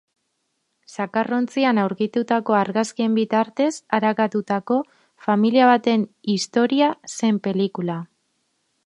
Zakarrontzian aurkitutako argazkien bitartez arakatutako familia baten historia zen pelikula.